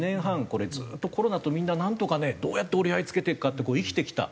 これずっとコロナとみんななんとかねどうやって折り合いつけていくかって生きてきた。